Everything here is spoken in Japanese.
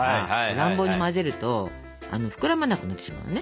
乱暴に混ぜると膨らまなくなってしまうのね。